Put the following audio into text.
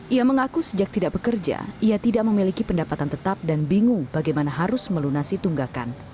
ia mengaku sejak tidak bekerja ia tidak memiliki pendapatan tetap dan bingung bagaimana harus melunasi tunggakan